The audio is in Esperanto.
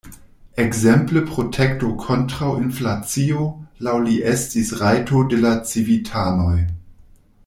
Ekzemple, protekto kontraŭ inflacio laŭ li estis rajto de la civitanoj.